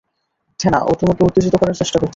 থেনা, ও তোমাকে উত্তেজিত করার চেষ্টা করছে।